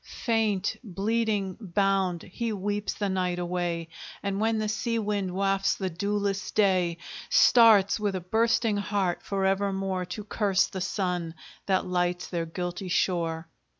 Faint, bleeding, bound, he weeps the night away, And when the sea wind wafts the dewless day, Starts, with a bursting heart, for evermore To curse the sun that lights their guilty shore!